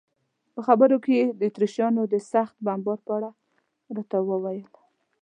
په خبرو کې یې د اتریشیانو د سخت بمبار په اړه راته وویل.